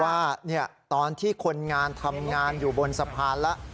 ว่าตอนที่คนงานทำงานอยู่บนสะพานแล้ว